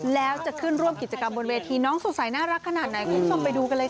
แล้วจะขึ้นร่วมกิจกรรมบนเวทีน้องสดใสน่ารักขนาดไหนคุณผู้ชมไปดูกันเลยค่ะ